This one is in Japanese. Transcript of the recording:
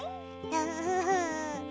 ウフフフ！